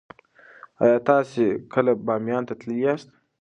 ایا تاسې کله بامیانو ته تللي یاست؟